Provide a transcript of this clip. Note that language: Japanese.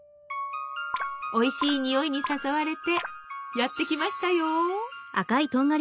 おいしい匂いに誘われてやって来ましたよ。